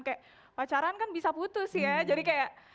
kayak pacaran kan bisa putus ya jadi kayak